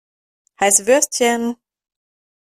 Heiße Würstchen!